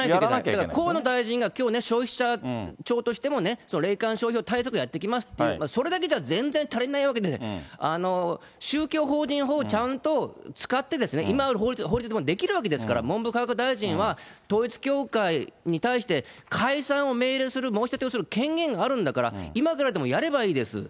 だから河野大臣がきょうね、消費者庁としても霊感商法対策やっていきますと、それだけじゃ全然足りないわけで、宗教法人法をちゃんと使って、今ある法律でもできるわけですから、文部科学大臣は統一教会に対して解散を命令する、申し立てをする権限があるんだから、今からでもやればいいです。